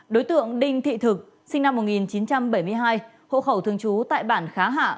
đối tượng đinh thị thực sinh năm một nghìn chín trăm bảy mươi hai hộ khẩu thường trú tại bản khá hạ